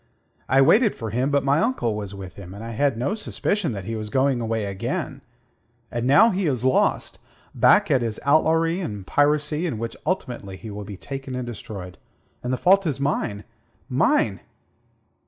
I waited for him; but my uncle was with him, and I had no suspicion that he was going away again. And now he is lost back at his outlawry and piracy, in which ultimately he will be taken and destroyed. And the fault is mine mine!"